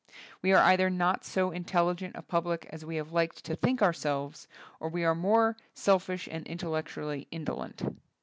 We are either not so intel ligent a public as we have liked to think ourselves, or we are much more selfish and intellectually indolent.